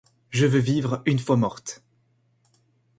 Je veux vivre une fois morte.